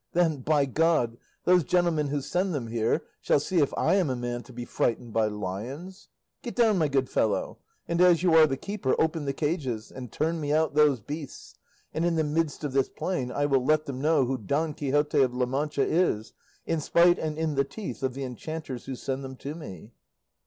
Then, by God! those gentlemen who send them here shall see if I am a man to be frightened by lions. Get down, my good fellow, and as you are the keeper open the cages, and turn me out those beasts, and in the midst of this plain I will let them know who Don Quixote of La Mancha is, in spite and in the teeth of the enchanters who send them to me."